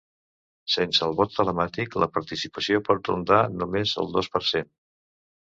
Sense el vot telemàtic, la participació pot rondar només el dos per cent.